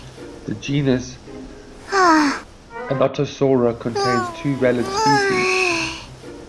The genus "Anotosaura" contains two valid species.